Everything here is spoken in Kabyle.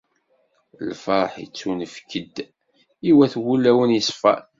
Lferḥ ittunefk-d i wat wulawen yeṣfan.